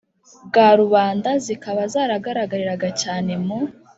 bwa rubanda, zikaba zaragaragariraga cyane, mu